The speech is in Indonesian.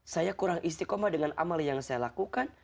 saya kurang istiqomah dengan amal yang saya lakukan